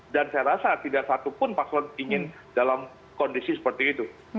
dan saya rasa tidak satu pun paslon ingin dalam kondisi seperti itu